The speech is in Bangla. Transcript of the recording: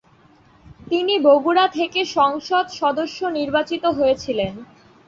তিনি বগুড়া থেকে সংসদ সদস্য নির্বাচিত হয়েছিলেন।